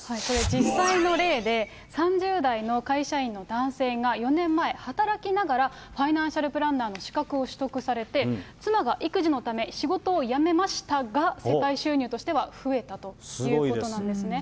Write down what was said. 実際の例で、３０代の会社員の男性が、４年前、働きながらファイナンシャルプランナーの資格を取得されて、妻が育児のため、仕事を辞めましたが、世帯収入としては増えたということなんですね。